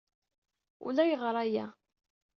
Ulayɣer aya.